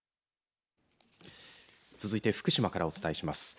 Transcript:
続いて、福島からお伝えします。